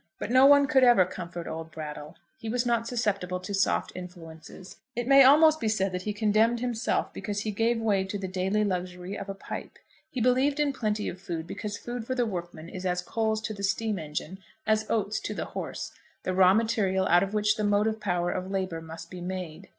But no one could ever comfort old Brattle. He was not susceptible to soft influences. It may almost be said that he condemned himself because he gave way to the daily luxury of a pipe. He believed in plenty of food, because food for the workman is as coals to the steam engine, as oats to the horse, the raw material out of which the motive power of labour must be made.